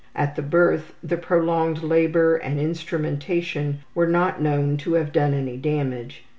At the birth the prolonged labor and instrumentation were not known to have done any damage.